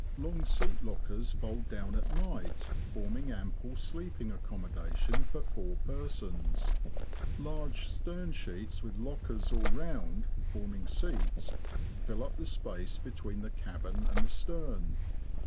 Long seat lockers fold down at night, forming ample sleeping accommodation for four persons. Large stern sheets, with lockers all round, forming seats, fill up the space between the cabin and the stern.